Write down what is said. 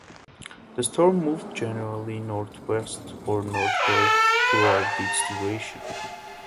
The storm moved generally northeastward or northward throughout its duration.